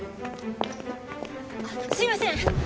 すいません！